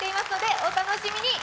お楽しみに。